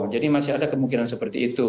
jadi masih ada kemungkinan seperti itu